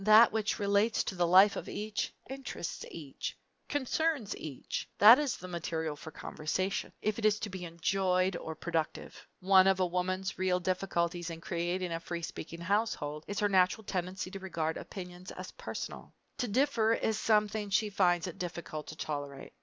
That which relates to the life of each, interests each, concerns each that is the material for conversation, if it is to be enjoyable or productive. One of a woman's real difficulties in creating a free speaking household is her natural tendency to regard opinions as personal. To differ is something she finds it difficult to tolerate.